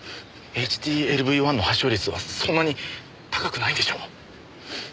ＨＴＬＶ‐１の発症率はそんなに高くないんでしょう？